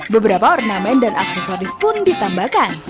beberapa ornamen dan aksesoris pun ditambahkan